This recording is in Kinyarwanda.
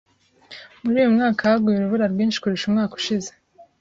Muri uyu mwaka haguye urubura rwinshi kurusha umwaka ushize.